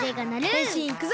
へんしんいくぞ！